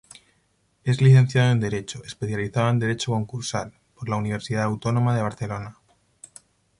Es licenciado en Derecho, especializado en Derecho concursal, por la Universidad Autónoma de Barcelona.